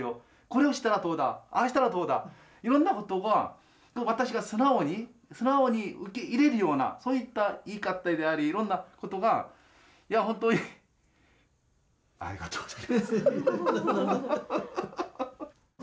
これをしたらどうだああしたらどうだいろんなことが私が素直に素直に受け入れるようなそういった言い方でありいろんなことがいやほんとにありがとうございます。